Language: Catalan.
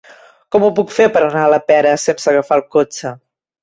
Com ho puc fer per anar a la Pera sense agafar el cotxe?